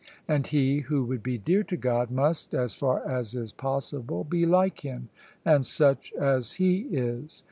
And he who would be dear to God must, as far as is possible, be like Him and such as He is.